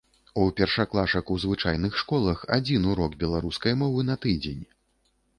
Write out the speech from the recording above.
У першаклашак у звычайных школах адзін урок беларускай мовы на тыдзень.